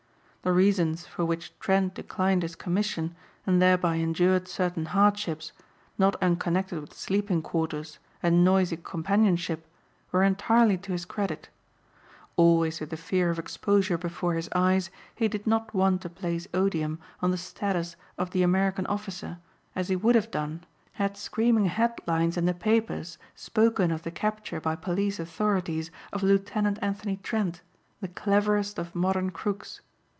The reasons for which Trent declined his commission and thereby endured certain hardships not unconnected with sleeping quarters and noisy companionship were entirely to his credit. Always with the fear of exposure before his eyes he did not want to place odium on the status of the American officer as he would have done had screaming headlines in the papers spoken of the capture by police authorities of Lieutenant Anthony Trent the cleverest of modern crooks.